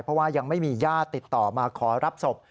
เพราะว่ายังไม่มีญาติติดต่อมาขอรับศพ